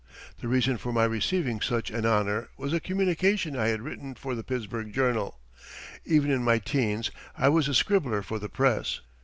The reason for my receiving such an honor was a communication I had written for the "Pittsburgh Journal." Even in my teens I was a scribbler for the press.